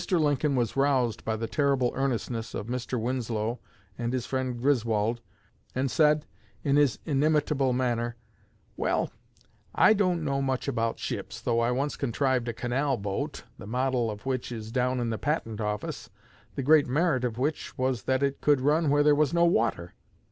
Lincoln was roused by the terrible earnestness of Mr. Winslow and his friend Griswold, and said, in his inimitable manner, 'Well, I don't know much about ships, though I once contrived a canal boat the model of which is down in the Patent Office the great merit of which was that it could run where there was no water.